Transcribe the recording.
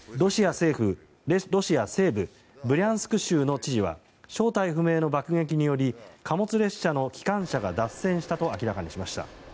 ロシア西部ブリャンスク州の知事は正体不明の爆撃による貨物列車の機関車が脱線したと明らかにしました。